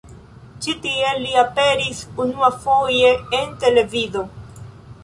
Ĉi tiel li aperis unuafoje en televido.